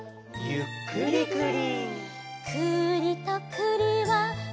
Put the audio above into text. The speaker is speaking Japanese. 「がっくりくり」